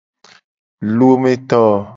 Lometo.